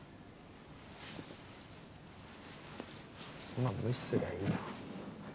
そんなん無視すりゃいいよ。